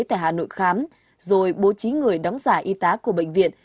tại hà nội khám rồi bố trí người đóng giả y tá của bệnh viện